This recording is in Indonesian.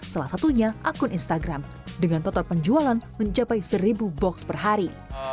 salah satunya akun instagram dengan total penjualan mencapai seribu box per hari